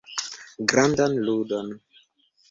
Grandan ludon.